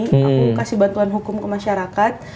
aku kasih bantuan hukum ke masyarakat